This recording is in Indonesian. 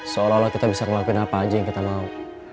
seolah olah kita bisa ngelakuin apa aja yang kita mau